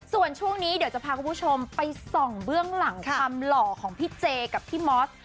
ส่วนช่วงนี้เดี๋ยวจะพาคุณผู้ชมไปส่องเบื้องหลังความหล่อของพี่เจกับพี่มอส